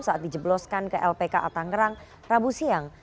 saat dijebloskan ke lpka tangerang rabu siang